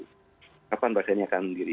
kapan vaksinnya akan mendiri